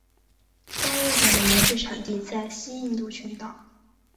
该物种的模式产地在西印度群岛。